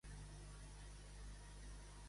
Vol anar ara Armengol al Parlament?